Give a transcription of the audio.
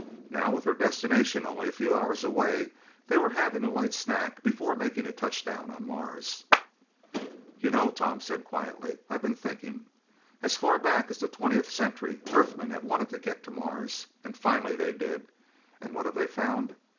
Now, with their destination only a few hours away, they were having a light snack before making a touchdown on Mars. "You know," said Tom quietly, "I've been thinking. As far back as the twentieth century, Earthmen have wanted to get to Mars. And finally they did. And what have they found?